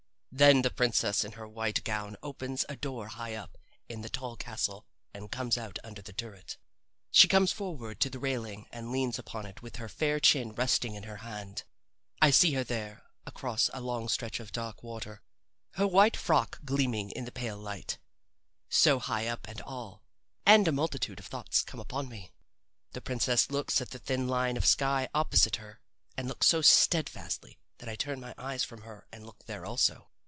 Then the princess in her white gown opens a door high up in the tall castle and comes out under the turret. She comes forward to the railing and leans upon it with her fair chin resting in her hand. I see her there across a long stretch of dark water, her white frock gleaming in the pale light so high up and all and a multitude of thoughts come upon me. The princess looks at the thin line of sky opposite her, and looks so steadfastly that I turn my eyes from her and look there also.